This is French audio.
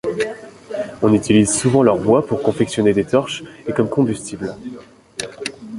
On utilise souvent leur bois pour confectionner des torches et comme combustible.